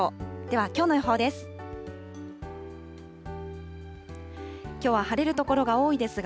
ではきょうの予報です。